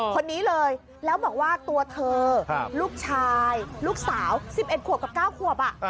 คนนี้เลยแล้วบอกว่าตัวเธอลูกชายลูกสาว๑๑ขวบกับ๙ขวบ